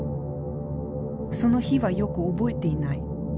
その日はよく覚えていない。